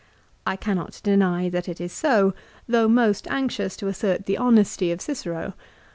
I cannot deny that it is so, though most anxious to assert the honesty of Cicero.